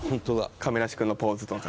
「亀梨君のポーズとか」